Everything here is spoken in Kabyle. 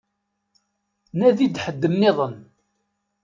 Nadi-d ḥedd-nniḍen.